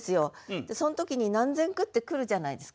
でその時に何千句って来るじゃないですか。